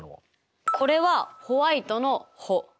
これはホワイトの「ホ」。